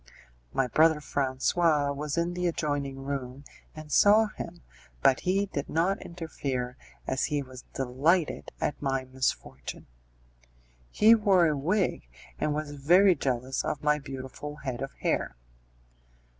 My brother Francois was in the adjoining room and saw him, but he did not interfere as he was delighted at my misfortune. He wore a wig, and was very jealous of my beautiful head of hair.